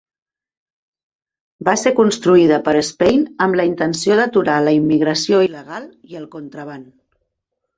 Va ser construïda per Spain amb la intenció d'aturar la immigració il·legal i el contraban.